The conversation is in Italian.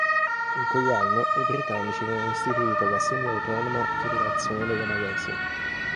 In quell'anno i britannici avevano istituito la semi-autonoma Federazione della Malesia.